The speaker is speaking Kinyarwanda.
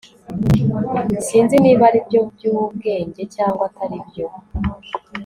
sinzi niba aribyo byubwenge cyangwa atari byo